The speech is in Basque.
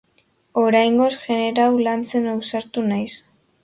Oraingoz, genero hau lantzen ausartu naiz.